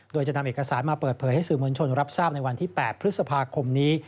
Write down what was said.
โดยจะนำเอกสารมาเปิดเผยให้สื่อมวลชนรับทราบในวันที่๘พฤษภาคมนี้